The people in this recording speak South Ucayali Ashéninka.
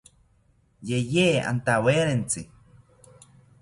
Yeye antawerentzi